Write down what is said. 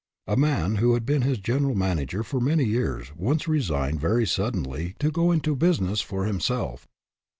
A man who had been his general manager for many years, once resigned very suddenly to go into business for himself.